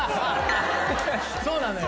そうなのよ。